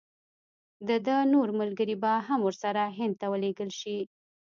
د ده نور ملګري به هم ورسره هند ته ولېږل شي.